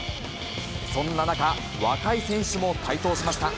そんな中、若い選手も台頭しました。